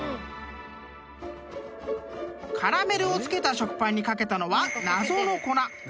［カラメルを付けた食パンに掛けたのは謎の粉］